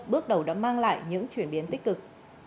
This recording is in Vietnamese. bước đầu đã mang lại những chuyển biến tích cực